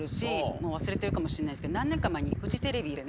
もう忘れてるかもしれないですけど何年か前に。